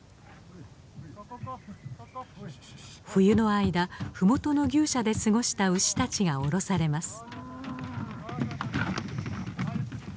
冬の間ふもとの牛舎で過ごした牛たちがおろされます。